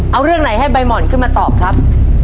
เอาเรื่องไหนให้ใบหม่อนขึ้นมาตอบครับ